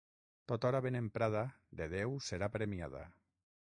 Tota hora ben emprada, de Déu serà premiada.